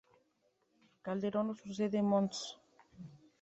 Calderón lo sucede mons.